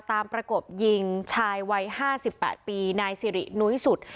ตามปรากฏยิงชายวัยห้าสิบแปดปีนายใสรินุ้ยสุทย์